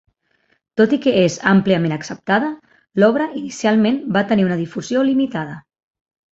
Tot i que és àmpliament acceptada, l'obra inicialment va tenir una difusió limitada.